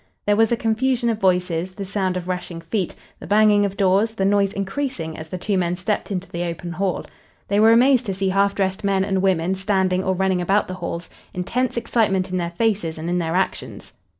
There was a confusion of voices, the sound of rushing feet, the banging of doors, the noise increasing as the two men stepped into the open hall. They were amazed to see half dressed men and women standing or running about the halls, intense excitement in their faces and in their actions.